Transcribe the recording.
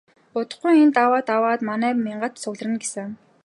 Удахгүй энэ даваа даваад манай мянгат цугларна гэсэн.